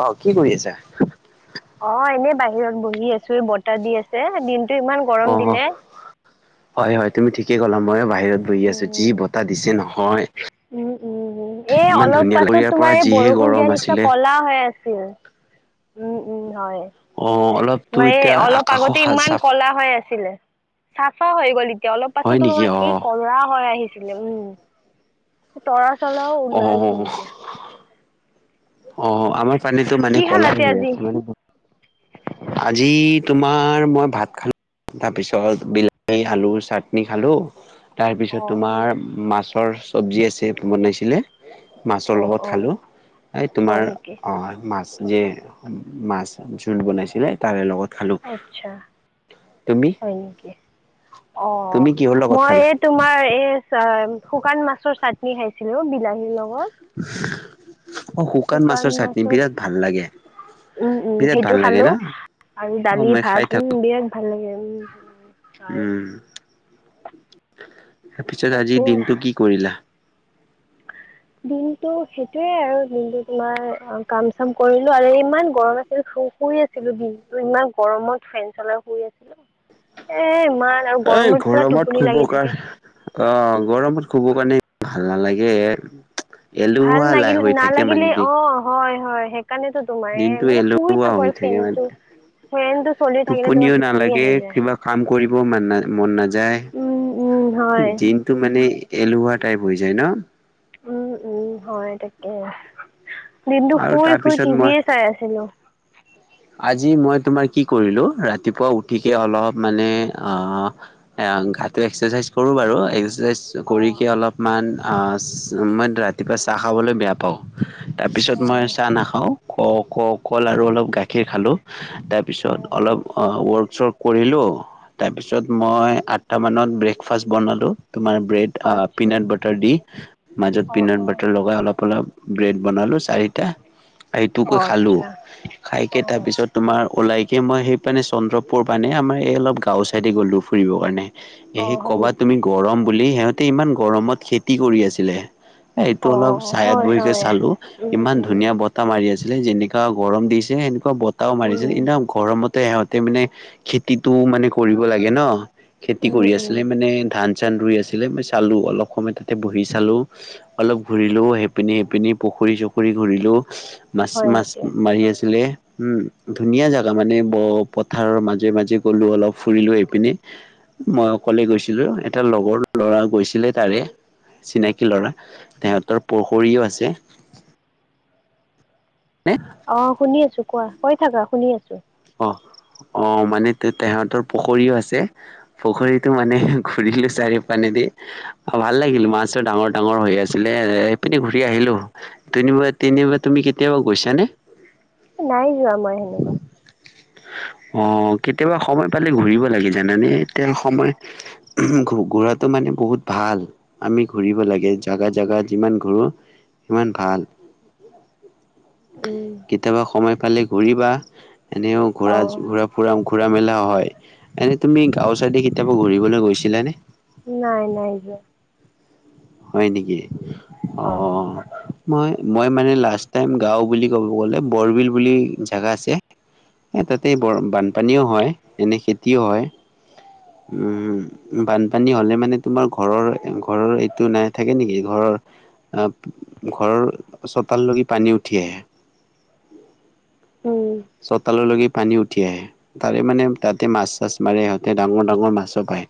অহ কি কৰি আছা। অ এনে বাহিৰত বহি আছো বতাহ দি আছে দিনতটো ইমান অ গৰম দিলে। হয় হয় তুমি ঠিকেই ক'লা মই বাহিৰত বহি আছো যি উম বতাহ দিছে নহয়। উম উম উম এই ইমান অলপ ধুনীয়া লাগে পাছত ইয়াৰ তোমাৰ পৰা এই যিহে বৰষুণ দিয়া গৰম নিচিনা আছিলে। কলা হৈ আছিল। উম উম হয় অ অলপতো মাৰে এতিয়া অলপ আকাশো আগতে ইমান চাফ কলা হৈ আছে। চাফা হৈ গল এতিয়া অলপ হয় পাছতো নেকি তোমাৰ অ। কি কলৰা হৈ আহিছিলে উম। তৰা চলা অ উললন চ নকে। অ আমাৰ পানীতো মানে ক'লাই খালাতে হৈ আজি আছে মানে। আজি তোমাৰ মই ভাত খালো। তাৰপিছত বিলাহী আলু চাটনি খালো। তাৰপিছত অ তোমাৰ মাছৰ চব্জি আছে বনাইছিলে। মাছৰ অ লগত অ খালো এই তোমাৰ হয় নেকি অ। মাছ যে মাছ জোল বনাইছিলে তাৰে লগত। খালোঁ। আচ্ছা তুমি হয় নেকি। অ তুমি কিহৰ লগত মই খালা? এই তোমাৰ এই শুকান মাছৰ চাই। খাইছিলো বিলাহীৰ লগত। অ শুকান মাছৰ চাটনি বিৰাট ভাল লাগে। উম উম বিৰাট ভাল সেইটো লাগে খালো না? আৰু অ' দালি মই খাই ভাত উম থাকোঁ। বিৰাট ভাল লাগে উম। হয় উম তাৰপিছত আজি তাকে দিনটো কি কৰিলা। উ [unintelligible] দিনটো সেইটোয়ে আৰু দিনটো তোমাৰ অ কাম চাম কৰিলো আৰু ইমান গৰম আছিল। শুই আছিলো বিহ তু ইমান গৰমত ফ্ৰেন্সলৈ শুই আছিলো এ। এই গৰমত উপকাৰ অ গৰমত। কব কাৰণে ভাল নালাগে এ ভাল এলুৱা নাগিল লাই হৈ থাকে মানে দি। কাৰণেেতো তোমাৰ মানে শুই এলেহুৱা থাকো হৈ আৰু থাকে মানে। ফিলটো। টোপনিও নালাগে যায় কিবা কাম কৰিব ম মন উম উম নাযায়। হয় দিনটো মানে এলোৱা টাইপ হৈ যায় ন। উম উম হয় তাকেই। দিনতটো আৰু শুই শুই তাৰপিছত মই টিভিয়ে চাই আছিলো। আজি মই তোমাৰ কি কৰিলো ৰাতিপুৱা উঠিকে অলপ মানে অ। অ গাটো এক্সাৰচাইজ কৰো বাৰু। একাইজ অঁ কৰিক অলপমান ম ৰাতিপুৱা চাহ খাবলৈ বেয়া পাওঁ। তাৰপিছত মই অঁ চাহ নাখাওঁ ক ক কল আৰু অলপ গাখীৰ খালো। তাৰপিছত অঁ হয় অলপ নেকি ৱৰ্ক চৰ্ক কৰিলোঁ তাৰপিছত মই আঠটা মানত ব্ৰেক। ফাষ্ট বনালোঁ তোমাৰ ব্ৰেড আচ্ছা পিনাট বাটাৰ দি মাজত অঁ পিনাট অঁ বাটাৰ লগাই অলপ অলপ। ব্ৰেড বনালো চাৰিটা আৰু ইটকৈ অঁ খালো আচ্ছা খাইক। অঁ তাৰপিছত তোমাৰ ওলাই। এতি মই সেই পানে চন্দ্ৰপুৰৰ পানে আমাৰ এই অলপ গাঁও ছাইডে গ'লোঁ ফুৰিবৰ কাৰণে। অঁ এেই হয় কবাত নেকি তুমি গৰম বুলি সিহঁতে ইমান গৰমত খেতি কৰি আছিলে। এইটো অলপ অঁ চায়াত হয় বহিকে হয় চালো উম ইমান উম ধুনীয়া বতাহ মাৰি আছে। ছিলে যেনেকুৱা গৰম দিছে সেনেকুৱা বতটাও উম মাৰিছিল এ গৰমতে। সিহঁতে মানে খেতিতটো মানে কৰিব লাগে ন খেতি উম কৰি উম আছিলে মানে ধান। চান ৰুই আছিলে মই চালো অলপ সময় তাতে বহি চালো অলপ ঘূৰিলো সপিনি সপিন প। পুখুৰী চুখৰি ঘূৰিলেোঁ মাছ হয় মাছ নেকি মাৰি আছিলে। উম ধুনীয়া জাগা মানে ব পথাৰৰ মাজে মাজে গলো অলপ ফুৰিলো এইপিনে। মই অকলে গৈছিলো, এটা লগৰ ল'ৰা গৈছিলে তাৰে। চিনাকি লৰা, তেহঁতৰ পুখুৰীও আছে। নে অ শুনি আছো কোৱা, কৈ থাকা শুনি আছো। অ [inaudible] অ মানে তে তেহেতৰ পুখুৰীও আছে, পুখুৰীটো মানে ঘূৰিলো চাৰিও পানেদি ভাল লাগিল মাছত ডাঙৰ ডাঙৰ হৈ আছিলে এ এইপিনে ঘূৰি আহিলো দুনিব। এনেই বা তুমি কেতিয়াবা গৈছ নে? নাই যোৱা মই সেনেকুৱা। [unintelligible] অ কেতিয়াবা সময় পালে ঘূৰিব লাগি জানানে এতিয়া সময় ঘূৰাটো মানে। মানে বহুত ভাল আমি ঘূৰিব লাগে জেগা জেগা যিমান ঘূৰো। ইমান ভাল। উম কেতিয়াবা সময় পালে ঘূৰিবা এনেও ঘোৰা অ' ঘূৰা ফুৰা। ঘুৰা মেলা হয় এনে তুমি গাঁও চাই কেতিয়াবা ঘূৰিবলৈ গৈছিলা নে। নাই নাই যোৱা। হয় নেকি অ মই। মই মানে লাষ্ট টাইম গাওঁ বুলি ক'ব গ'লে বৰবিল বুলি জেগা আছে। এ তাতে বৰ বানপানীও হয় এনে খেতিও হয়। উম বানপানী হলে মানে তোমাৰ ঘৰৰ ঘৰৰ এইটো নাই থাকে নেকি ঘৰৰ। আহ ঘৰৰ চোতাললৈকে পানী উঠি আহে। উম চতালৰ লৈ কে। পানী উঠি আহে তাৰে মানে তাতে মাছ চাছ মাৰে সিহঁতে ডাঙৰ ডাঙৰ মাছো পায়।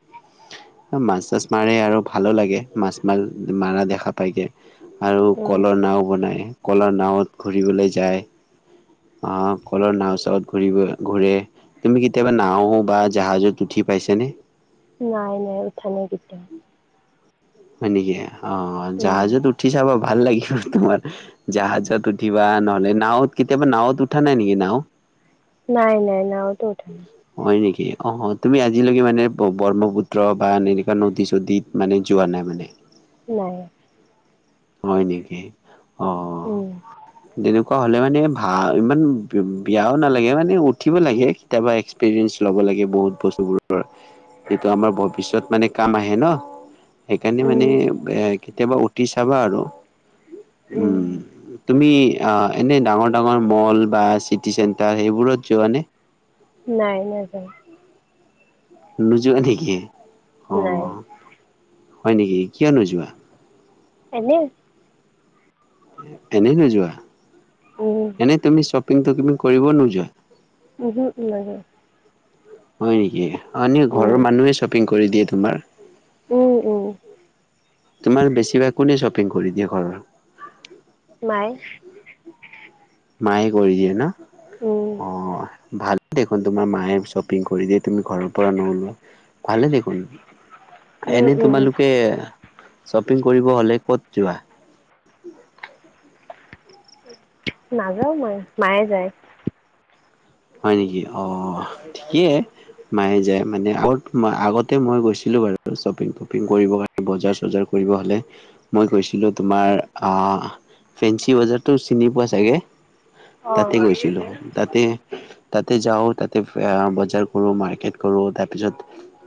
মাছ চাছ মাৰে আৰু ভালো লাগে মাছ মাৰ মাৰা দেখা পায়গে। আৰু উম কলৰ নাও বনাই কলৰ নাওত ঘূৰিবলৈ যায় অহ। সকলৰ নাও চত ঘূৰিব ঘূৰে। তুমি কেতিয়াবা নাও বা জাহাজত উঠি পাইছানে? নাই নাই উঠা নাই কেতিয়াওঁ। হয় নেকি, অ জাহাজত উঠি চাব ভাল লাগি তোমাৰ জাহাজত উঠিবা নহলে নাওত কেতিয়াবা নাৱত উঠা নাই নেকি নাও? নাই নাই নাওটো উঠা নাই। হয় নেকি অ তুমি আজিলৈকে মানে ব্ৰহ্মপুত্ৰ বা এনেকুৱা নদী - চদী মানে যোৱা নাই মানে? নাই। হয় নেকি অ উম যেনেকু অ হলে মানে ভা ইমান বি বিয়াও নালাগে মানে উঠিব লাগে কেতিয়াবা এক্সপিৰিয়েঞ্চ ল'ব লাগে। লাগে বহুত বস্তুবোৰৰ এইটো আমাৰ ভৱিষ্যত মানে কাম আহে ন। সেইকাৰণে উম মানে এ কেতিয়াবা উঠি চাবা আৰু। উম তুমি অ এনেই ডাঙৰ -ডাঙৰ মল বা চিটি চেণ্টাৰ সেইবোৰত যোৱা নে? নাই নাই নেযাওঁ। নোযোৱা নেকি? অ নাই। হয় নেকি কিয় নোযোৱা? এনেই। এনেই নোযোৱা, উম এনেই তুমি শ্বপিংটো কৰিব নোযোৱা। উমহো নাযাওঁ। হয় নেকি অনি উম ঘৰৰ মানুহে শ্বপিং কৰি দিয়ে তোমাৰ? উম উম। তোমাৰ বেছিভাগ কোনে শ্বপিং কৰি দিয়ে ঘৰৰ? মায়ে মায়ে কৰি দিয়ে ন উম অ। ভালেই দেখোন তোমাৰ মায়ে শ্বপিং কৰি দিয়ে তুমি ঘৰৰ পৰা নোলোৱা, ভালে দেখোন। উম এনে উম তোমালোকে শ্বপিং কৰিব হ'লে ক'ত যোৱা? নাযাও মই মায়ে যায়। হয় নেকি অ ঠিকেই মায়ে যে মানে আগত মই আগতে মই গৈছিলোঁ বাৰু শ্বপিং তপিং কৰিবৰ কা ণে বজাৰ চজাৰ কৰিব হ'লে। মই গৈছিলো তোমাৰ অ ফেঞ্চি বজাৰতো চিনি পোৱা চাগে। অ' তাতে গৈছিলো তাতে তাতে যাওঁ তাতে ফ অহ বজাৰ কৰো মাৰ্কেট কৰো তাৰ পিছত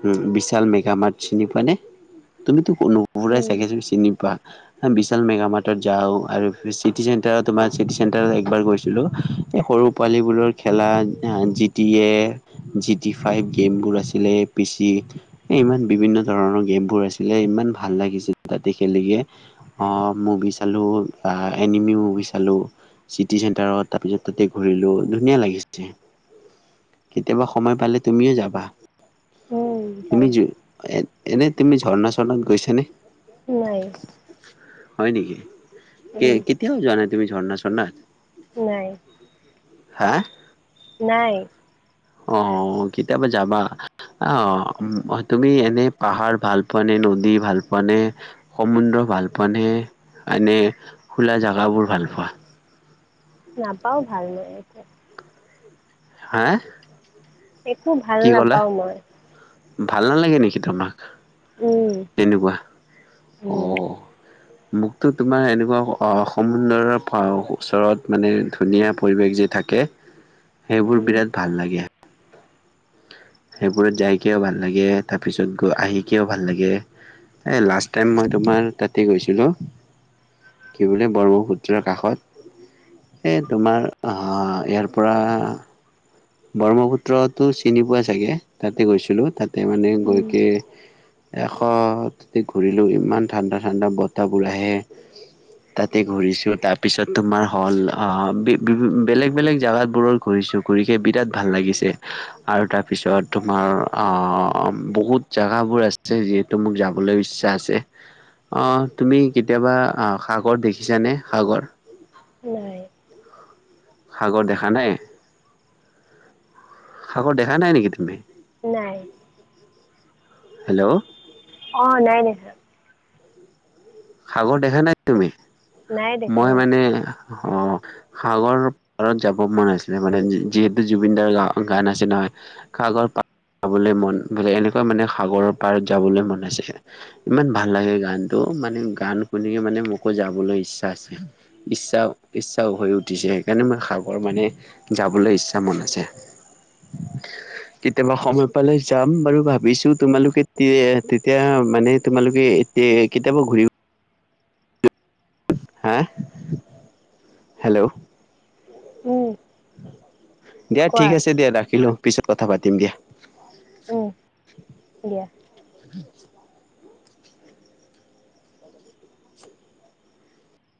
উম বিশাল মেগা মাৰটচ চিনি পোৱা নে তুমিতো নুফুৰাই উম চাগে তুমি চিনি পোৱা বিশাল মেগামাৰ্টত যাও আৰু চিটি চেণ্টাৰত তোমাৰ চিটি চেণ্টাৰত একবাৰ গৈছিলো। এই সৰু পোৱালীবোৰৰ খেলা G T A, G T five গেমবোৰ আছিলে পি চি ইমান বিভিন্ন ধৰণৰ গেমবোৰ আছিলে ইমান ভাল লাগিছিল তাতে খেলি কে অ মুভিচ চালো আ এনিমি মুভি চালো চিটি চেণ্টাৰত। তাৰ পিছত তাতে ঘূৰিলো। ধুনীয়া লাগিছে। কেতিয়াবা সময় পালে তুমিও যাবা। উম তুমি যাম জ, এনে তুমি ঝৰ্ণা ঝৰ্ণাত গৈছা নে? নাই। হয় নেকি? কে উম কেতিয়াও যোৱা নাই তুমি ঝৰ্ণা-স্বৰ্ণাত? নাই। হে? নাই। অ, কেতিয়াবা যাবা। অ, তুমি এন- নে পাহাৰ ভাল পোৱানে? নদী ভাল পোৱা নে? সমুদ্ৰ ভাল পোৱা নে? নে খোলা জাগাবোৰ ভাল পোৱা? নাপাও ভাল মই এতিয়া। হা? একো ভাল কি ক'লা নাপাওঁ মই। ভাল নালাগে নেকি তোমাক? উম তেনেকুৱা। অ! উম মোকতো তোমাৰ এনেকুৱা অ সমুন্দৰৰ ওচৰত মানে ধুনীয়া পৰিৱেশ যে থাকে। সেইবোৰ উম বিৰাট ভাল লাগে। সেইবোৰত যাইকেও ভাল লাগে। তাৰ পিছত আহিকেও ভাল লাগে। এ লাষ্ট টাইম মই তোমাৰ তাতে গৈছিলো। কি বোলে ব্ৰহ্মপুত্ৰৰ কাষত এই তোমাৰ অ ইয়াৰ পৰা বৰ্মপুত্ৰতো চিনি পোৱাই চাগে তাতে গৈছিলো। তা- তে মানে গৈ উম কৈ শেষত তাতে ঘূৰিলো ইমান ঠাণ্ডা ঠাণ্ডা বতাবোৰ আহে। তাতে ঘুৰিছো। তাৰ পিছত তোমাৰ হল অ বি, বি, বি, বেলেগ বেলেগ জাগাত বোৰত ঘূৰিছো। ঘূৰি কে বিৰাট ভাল লাগিছে আৰু তাৰপিছত তোমাৰ অ বহুত জাগাবোৰ আছে যিহেতু মোক যাবলৈ ইচ্ছা আছে। অহ, তুমি কেতিয়াবা আহ সাগৰ দেখিছানে, সাগৰ? নাই। সাগৰ দেখা নাই? সাগৰ দেখা নাই নেকি তুমি? নাই। হেল্ল' অ নাই, নাই [unintelligible] সাগৰ দেখা নাই তুমি? নাই দেখা মই মানে অ সাগৰৰ পাৰত যাব মন আছিলে মানে যিহেতু জুবিনদাৰ গা গান আছে নহয়। সা- সাগৰ পা- যাবলৈ মন বোলে এনেকুৱা মানে সাগৰৰ পাৰত যাবলৈ মন আছে, ইমান ভাল লাগে গানটো। অ মানে গান শুনে মানে মোকো যাবলৈ ইচ্ছা আছে ইচ্ছা ইচ্ছাও হৈ উঠিছে সেইকাৰণে মই ৰ মানে যাবলৈ ইচ্ছা মন আছে কেতিয়াবা সময় পালে যাম বাৰু ভাবিছো তোমালোকে তেতিয়া মানে তোমালোকে এ কেতিয়াবা ঘূৰি হে হেল্ল'! উম। দিয়া কোৱা ঠিক আছে দিয়া ৰাখিলো পিছত কথা পাতিম দিয়া। উম, দিয়া। [unintelligible]